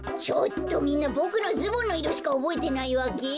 みんなボクのズボンのいろしかおぼえてないわけ！？